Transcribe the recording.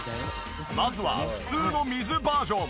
まずは普通の水バージョン。